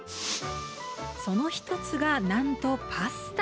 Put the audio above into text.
その一つが、なんとパスタ。